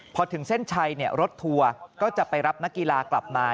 พอถึงเส้นชัยรถทัวร์ก็จะไปรับนักกีฬากลับมา